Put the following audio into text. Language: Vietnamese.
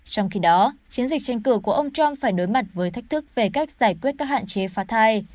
trong khi đó chiến dịch tranh cử của ông trump phải đối mặt với thách thức về cách giải quyết các hạn chế phá thai